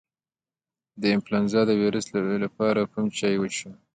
د انفلونزا د ویروس لپاره کوم چای وڅښم؟